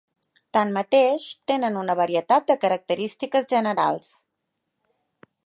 Tanmateix tenen una varietat de característiques generals.